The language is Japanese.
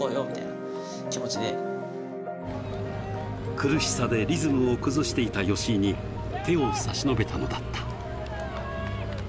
苦しさでリズムを崩していた吉居に手を差し伸べたのだった。